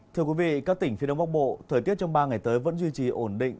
thưa quý vị các tỉnh phía đông bắc bộ thời tiết trong ba ngày tới vẫn duy trì ổn định